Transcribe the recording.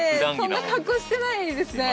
そんな格好してないですね。